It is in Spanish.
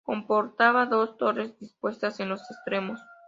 Comportaba dos torres dispuestas en los extremos.